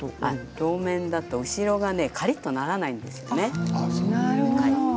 両面だと後ろがカリっとならないんですよね。